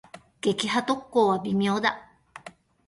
撃破特攻は微妙だ。